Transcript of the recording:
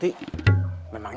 bikin teh panas manis